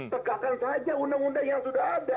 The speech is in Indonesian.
tegakkan saja undang undang yang sudah ada